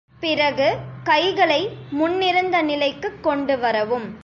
பிறகு, கைகளை முன்னிருந்த நிலைக்குக் கொண்டு வரவும்.